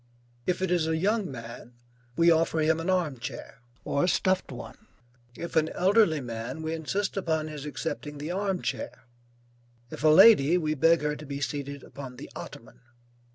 If it is a young man, we offer him an arm chair, or a stuffed one; if an elderly man, we insist upon his accepting the arm chair; if a lady, we beg her to be seated upon the ottoman.